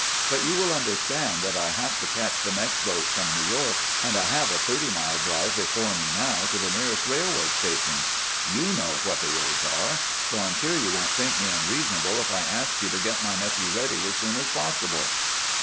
"But you will understand that I have to catch the next boat from New York—and I have a thirty mile drive before me now to the nearest railway station. You know what the roads are! So I'm sure you won't think me unreasonable if I ask you to get my nephew ready as soon as possible."